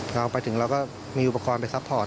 เราไปถึงเราก็มีอุปกรณ์ไปซัพพอร์ต